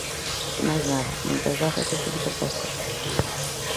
Máis nada, moitas grazas e felices festas.